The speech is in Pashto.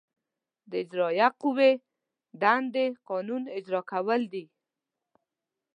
د اجرائیه قوې دندې قانون اجرا کول دي.